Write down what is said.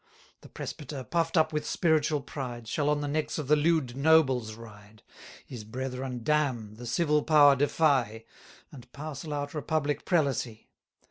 The presbyter, puff'd up with spiritual pride, Shall on the necks of the lewd nobles ride: His brethren damn, the civil power defy; 300 And parcel out republic prelacy.